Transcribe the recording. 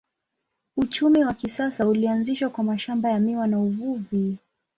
Uchumi wa kisasa ulianzishwa kwa mashamba ya miwa na uvuvi.